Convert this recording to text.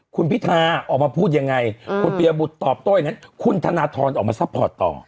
คุณพิธาออกมาพูดยังไงคุณปียบุตรตอบโต้อย่างนั้นคุณธนทรออกมาซัพพอร์ตต่อ